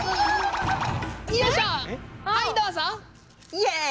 イエイ！